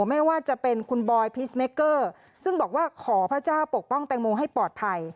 ไม่ว่าจะเป็นคุณบอยพีชเมเกอร์ซึ่งบอกว่าขอพระเจ้าปกป้องแตงโมให้ปลอดภัย